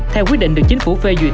theo quyết định được chính phủ phê duyệt